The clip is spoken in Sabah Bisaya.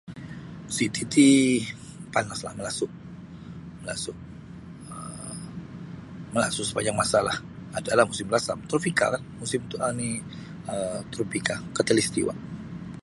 Siti ti panas lah, malasu, malasu um malasu sapanjang masa lah, ada lah musim rasam. Tropika kan, musim um ni tropika khatulistiwa.